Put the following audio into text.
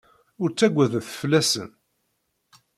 Ur ttaggadet fell-asen.